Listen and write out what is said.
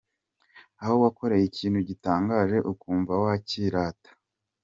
Aho wakoreye ikintu gitangaje ukumva wakirata.